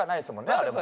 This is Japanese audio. あれも。